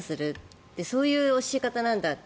そういう教え方なんだと。